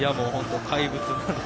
怪物なので。